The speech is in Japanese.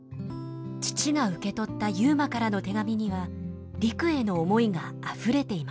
父が受け取った悠磨からの手紙には陸への思いがあふれていました。